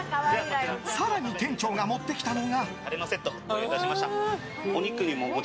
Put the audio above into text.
更に店長が持ってきたのが。